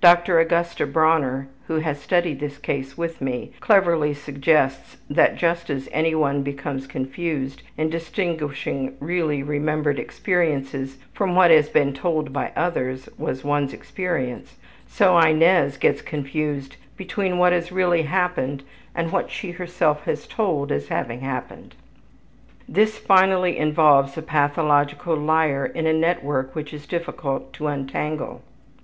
Dr. Augusta Bronner, who has studied this case with me, cleverly suggests that just as anyone becomes confused in distinguishing really remembered experiences from what has been told by others was one's experience, so Inez gets confused between what has really happened and what she herself has told as having happened. This finally involves a pathological liar in a network which is difficult to untangle.